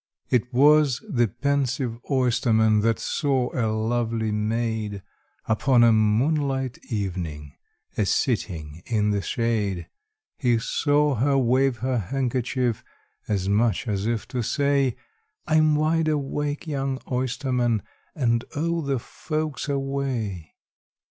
It was the pensive oysterman that saw a lovely maid, Upon a moonlight evening, a sitting in the shade; He saw her wave her handkerchief, as much as if to say, "I 'm wide awake, young oysterman, and all the folks away."